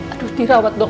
aduh dirawat dong